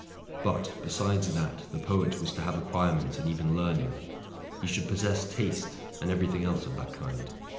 But, besides that, the poet was to have acquirements and even learning: he should possess taste, and every thing else of that kind.